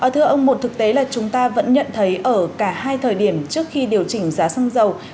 thưa ông một thực tế là chúng ta vẫn nhận thấy ở cả hai thời điểm trước khi điều chỉnh giá xăng dầu